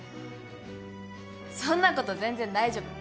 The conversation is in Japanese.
そんなこと全然大丈夫。